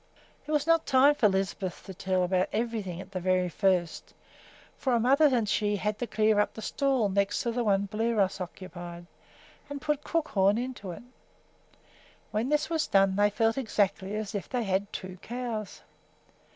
There was not time for Lisbeth to tell about everything at the very first, for her mother and she had to clear up the stall next to the one Bliros occupied, and put Crookhorn into it. When this was done they felt exactly as if they had two cows.